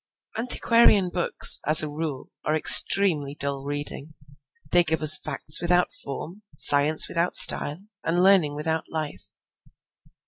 Antiquarian books, as a rule, are extremely dull reading. They give us facts without form, science without style, and learning without life.